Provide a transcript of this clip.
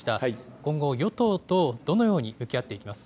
今後、与党とどのように向き合っていきますか。